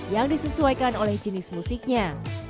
yang disesuaikan oleh jenis musiknya